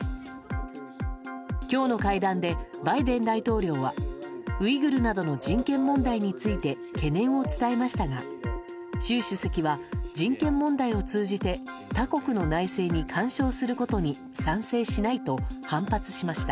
今日の会談で、バイデン大統領はウイグルなどの人権問題について懸念を伝えましたが習主席は、人権問題を通じて他国の内政に干渉することに賛成しないと反発しました。